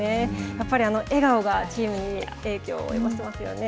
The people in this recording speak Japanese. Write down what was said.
やっぱり笑顔がチームに影響を及ぼしていますよね。